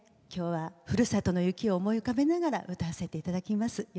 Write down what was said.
きょうはふるさとの雪を思い浮かべながら歌わせていただきます。